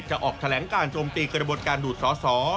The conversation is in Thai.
ออกแถลงการโจมตีกระบวนการดูดสอสอ